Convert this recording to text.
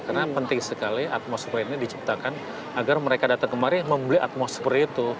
karena penting sekali atmosfer ini diciptakan agar mereka datang kemarin membeli atmosfer itu